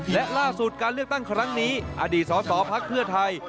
และล่าสุดการเลือกตั้งครั้งนี้อดีตสสพักเพื่อไทย